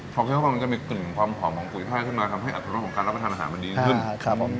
เพราะเที่ยวของมันจะมีกลิ่นของความหอมของกุยไห้ขึ้นมาทำให้อัตรภัณฑ์ของการรับไปทานอาหารมันดีขึ้น